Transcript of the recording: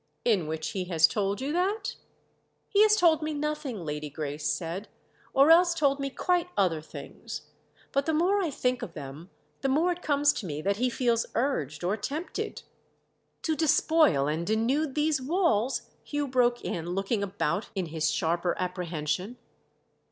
"In which he has told you that?" "He has told me nothing," Lady Grace said—"or else told me quite other things. But the more I think of them the more it comes to me that he feels urged or tempted—" "To despoil and denude these walls?" Hugh broke in, looking about in his sharper apprehension.